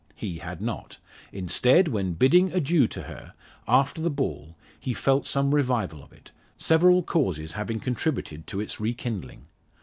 He had not. Instead, when bidding adieu to her, after the ball, he felt some revival of it, several causes having contributed to its rekindling.